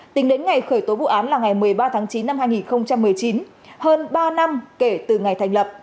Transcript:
tính đến ngày khởi tố vụ án là ngày một mươi ba tháng chín năm hai nghìn một mươi chín hơn ba năm kể từ ngày thành lập